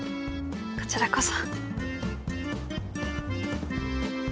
こちらこそ。